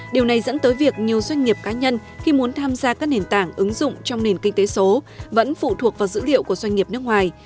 điều này dẫn tới việc nhiều doanh nghiệp cá nhân khi muốn tham gia các nền tảng ứng dụng trong nền kinh tế số vẫn phụ thuộc vào dữ liệu của doanh nghiệp nước ngoài